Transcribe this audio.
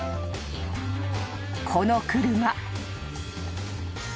［この車］